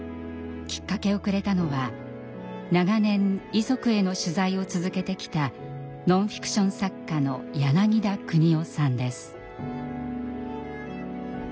きっかけをくれたのは長年遺族への取材を続けてきたノンフィクション作家の柳田邦男さんです。